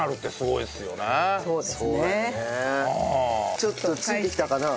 ちょっとついてきたかな？